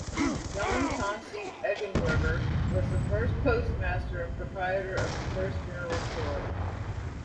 John Chauncey Eggenberger was the first postmaster and proprietor of the first general store.